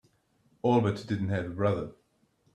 Albert didn't have a brother.